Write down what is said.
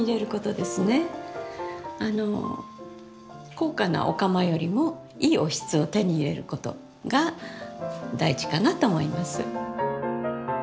高価なお釜よりもいいおひつを手に入れることが大事かなと思います。